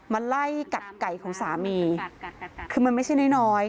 มาไล่กัดไก่ของสามีคือมันไม่ใช่น้อยน้อย